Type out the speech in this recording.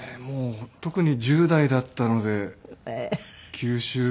特に１０代だったので吸収する。